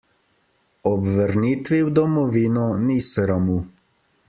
Ob vrnitvi v domovino ni sramu.